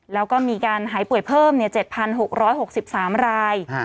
แล้วก็มีการหายป่วยเพิ่ม๗๖๖๓ราย